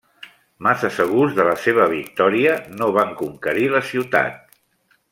Massa segurs de la seva victòria, no van conquerir la ciutat.